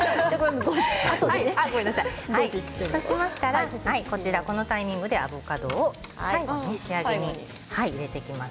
そうしたらこのタイミングで、アボカドを仕上げに入れていきます。